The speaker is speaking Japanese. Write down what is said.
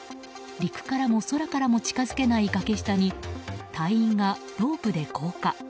陸からも空からも近づけない崖下に隊員がロープで降下。